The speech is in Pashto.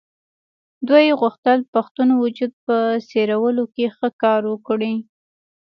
دوی غوښتل پښتون وجود په څېرلو کې ښه کار وکړي.